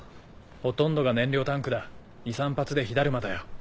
ほとんどが燃料タンクだ２３発で火ダルマだよ。